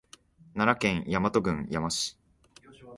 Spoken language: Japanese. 奈良県大和郡山市